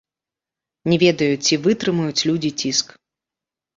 Не ведаю, ці вытрымаюць людзі ціск.